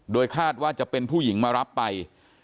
โดยคาดว่าจะเป็นผู้หญิงมารับไป